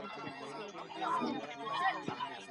په مزل کي د پښو پړسوب نه پاته کېږي.